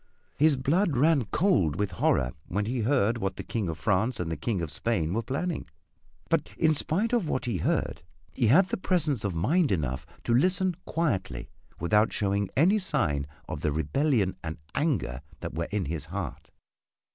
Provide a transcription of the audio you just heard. His blood ran cold with horror when he heard what the King of France and the King of Spain were planning but in spite of what he heard he had presence of mind enough to listen quietly without showing any sign of the rebellion and anger that were in his heart.